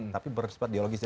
tapi bersifat dialogis